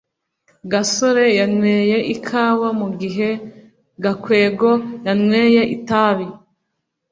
gasore yanyweye ikawa mugihe gakwego yanyweye itabi